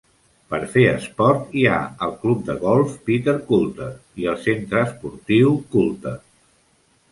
Per fer esport, hi ha el club de golf Peterculter i el centre esportiu Culter.